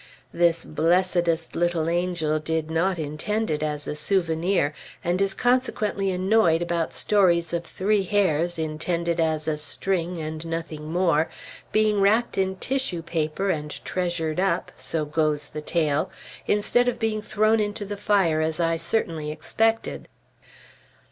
This blessedest little angel did not intend it as a souvenir, and is consequently annoyed about stories of three hairs, intended as a string and nothing more, being wrapped in tissue paper and treasured up so goes the tale instead of being thrown into the fire as I certainly expected.